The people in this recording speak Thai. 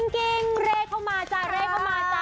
กิ้งเลขเข้ามาจ๊ะเลขเข้ามาจ๊ะ